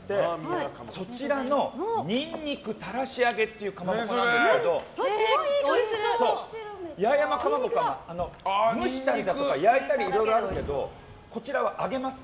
そちらのにんにくタラシ揚げっていうかまぼこがあるんですけどマーミヤかまぼこ蒸したり焼いたりいろいろあるけどこちらは揚げます。